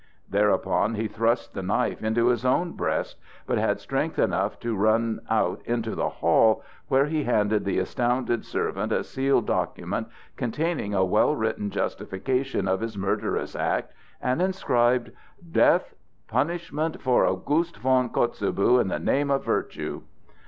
Thereupon he thrust the knife into his own breast, but had strength enough to run out into the hall, where he handed the astounded servant a sealed document containing a well written justification of his murderous act, and inscribed: "Death Punishment for August von Kotzebue in the name of virtue."